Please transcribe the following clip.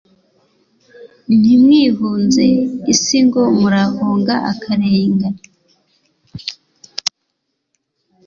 Ntimwihunze isi ngo murahunga akarengane.